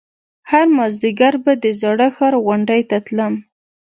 هر مازديگر به د زاړه ښار غونډۍ ته تلم.